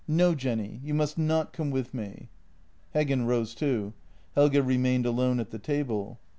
No, Jenny, you must not come with me." Heggen rose too. Helge remained alone at the table.